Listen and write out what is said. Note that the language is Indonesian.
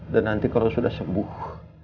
dan nanti kalau sudah sembuh